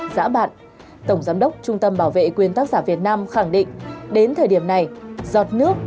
giã bạn tổng giám đốc trung tâm bảo vệ quyền tác giả việt nam khẳng định đến thời điểm này giọt nước